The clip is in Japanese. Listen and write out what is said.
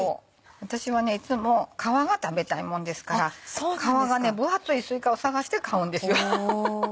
私はいつも皮が食べたいもんですから皮が分厚いすいかを探して買うんですよ。